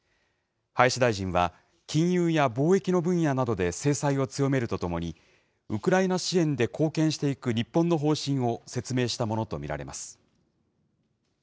林大臣は、金融や貿易の分野などで制裁を強めるとともに、ウクライナ支援で貢献していく日本の方針を説明したものと見られます。